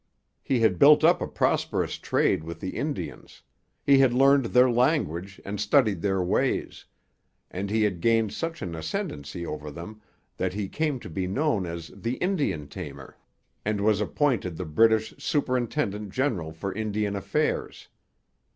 He had built up a prosperous trade with the Indians; he had learned their language and studied their ways; and he had gained such an ascendancy over them that he came to be known as 'the Indian tamer,' and was appointed the British superintendent general for Indian Affairs.